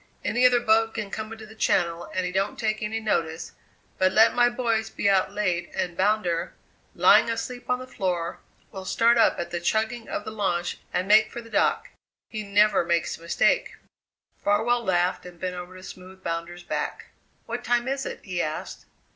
Any other boat can come into the Channel and he don't take any notice, but let my boys be out late and Bounder, lying asleep on the floor, will start up at the chugging of the launch and make for the dock. He never makes a mistake." Farwell laughed and bent over to smooth Bounder's back. "What time is it?" he asked.